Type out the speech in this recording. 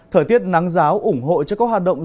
thời tiết nắng giáo ủng hộ cho các hoạt động